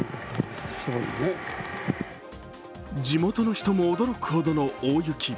地元の人も驚くほどの大雪。